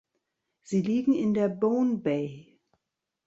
Sie liegen in der Bone Bay.